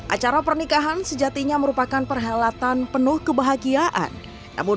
acara pernikahan sejatinya merupakan perhelatan penuh kebahagiaan namun